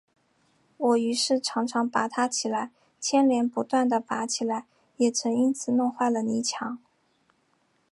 我于是常常拔它起来，牵连不断地拔起来，也曾因此弄坏了泥墙